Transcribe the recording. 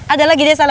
ada lagi desa lagi